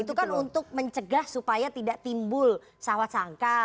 itu kan untuk mencegah supaya tidak timbul sawat sangka